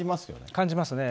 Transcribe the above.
感じますね。